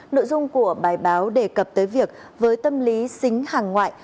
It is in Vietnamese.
nội dung của bài báo đề cập tới việc với tâm lý xính hàng ngoại